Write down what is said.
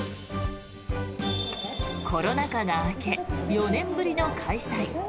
コロナ禍が明け４年ぶりの開催。